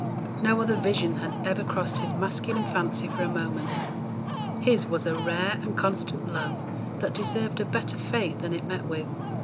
No other vision had ever crossed his masculine fancy for a moment; his was a rare and constant love that deserved a better fate than it met with.